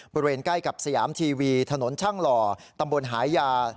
ใกล้กับสยามทีวีถนนช่างหล่อตำบลหายา